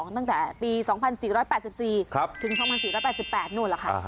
ตั้งแต่ปี๒๔๘๔๒๔๘๘นั่นแหละค่ะ